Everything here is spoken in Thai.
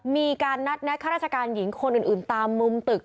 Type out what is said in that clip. มีการนัดแนะข้าราชการหญิงคนอื่นตามมุมตึก